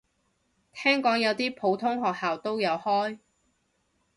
聽講有啲普通學校都有開